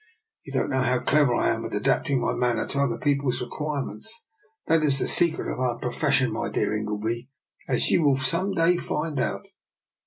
You don't know how clever I am at adapting my manner to other people's requirements. That is the se cret of our profession, my dear Ingleby, as you will some day find out.''